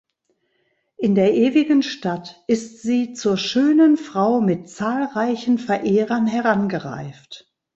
In der ewigen Stadt ist sie zur schönen Frau mit zahlreichen Verehrern herangereift.